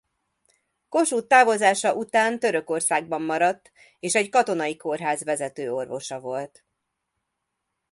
Kossuth távozása után Törökországban maradt és egy katonai kórház vezető orvosa volt.